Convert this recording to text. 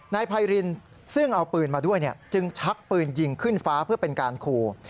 นายไพรินซึ่งเอาปืนมาด้วยจึงชักปืนยิงขึ้นฟ้าเพื่อเป็นการขู่